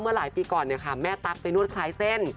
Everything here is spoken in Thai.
เมื่อหลายปีก่อนแม่ตั๊กไปนวดคลายเส้น